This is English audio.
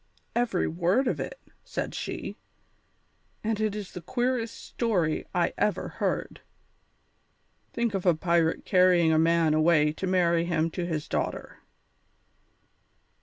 "Every word of it," said she, "and it is the queerest story I ever heard. Think of a pirate carrying a man away to marry him to his daughter!"